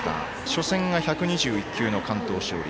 初戦が１２１球の完投勝利。